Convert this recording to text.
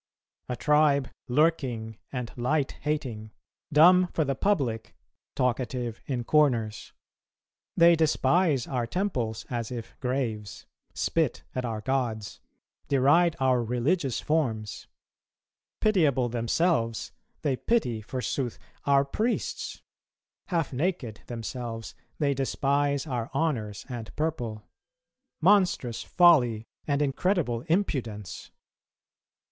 A tribe lurking and light hating, dumb for the public, talkative in corners, they despise our temples as if graves, spit at our gods, deride our religious forms; pitiable themselves, they pity, forsooth, our priests; half naked themselves, they despise our honours and purple; monstrous folly and incredible impudence!